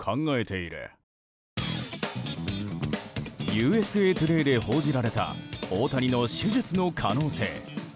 ＵＳＡトゥデイで報じられた大谷の手術の可能性。